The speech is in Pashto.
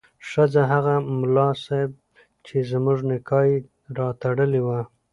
ښځه: هغه ملا صیب چې زموږ نکاح یې راتړلې وه